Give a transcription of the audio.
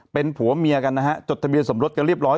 เป็นผัวเมียกันนะฮะจดทะเบียนสมรสกันเรียบร้อย